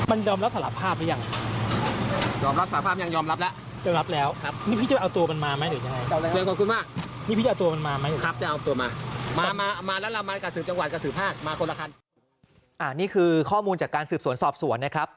นี่คือข้อมูลจากการสืบสวนสอบสวนนะครับ